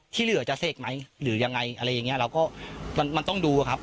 ที่เหลือจะเสกไหมหรือยังไงอะไรอย่างเงี้ยเราก็มันต้องดูอะครับ